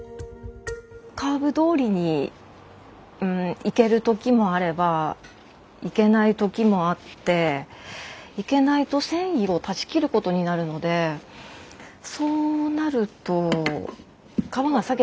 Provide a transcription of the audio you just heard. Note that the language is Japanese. カーブどおりにいける時もあればいけない時もあっていけないと繊維を断ち切ることになるのでそうなると皮が裂けちゃう。